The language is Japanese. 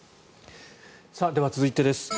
では、続いてです。